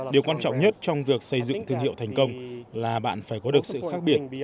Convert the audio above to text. điều quan trọng nhất trong việc xây dựng thương hiệu thành công là bạn phải có được sự khác biệt